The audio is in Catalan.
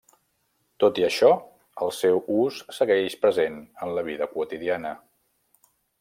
Tot i això, el seu ús segueix present en la vida quotidiana.